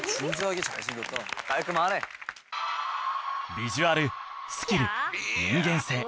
ビジュアルスキル人間性